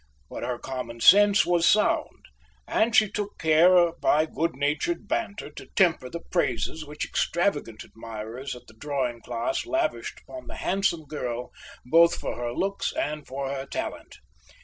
But her common sense was sound, and she took care by good natured banter to temper the praises which extravagant admirers at the drawing class lavished upon the handsome girl both for her looks and for her talent.